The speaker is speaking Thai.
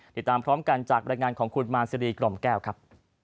ติดตามพร้อมกันจากดังงานของคุณมาร์นซีรีส์กรมแก้วครับ